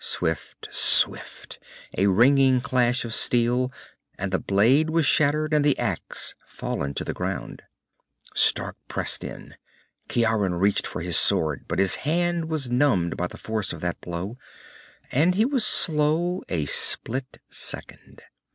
Swift, swift, a ringing clash of steel, and the blade was shattered and the axe fallen to the ground. Stark pressed in. Ciaran reached for his sword, but his hand was numbed by the force of that blow and he was slow, a split second.